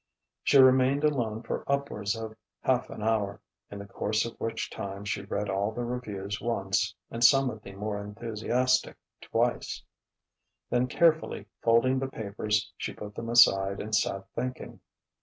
She remained alone for upwards of half an hour, in the course of which time she read all the reviews once and some of the more enthusiastic twice. Then carefully folding the papers, she put them aside and sat thinking.